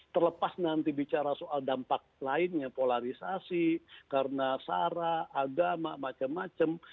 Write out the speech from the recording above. terlepas nanti bicara soal dampak lainnya polarisasi karena sara agama macam macam